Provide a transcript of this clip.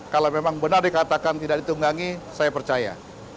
kalau memang benar dikatakan tidak ditunggangi saya percaya